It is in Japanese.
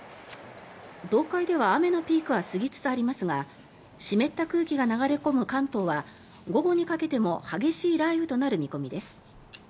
東海では雨のピークは過ぎつつありますが湿った空気が流れ込む関東は午後にかけても激しい雷雨となる見込みです。